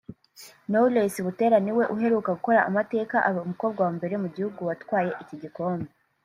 Knowless Butera ni we uheruka gukora amateka aba umukobwa wa mbere mu gihugu watwaye iki gikombe